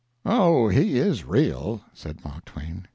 "Oh, he is real," said Mark Twain.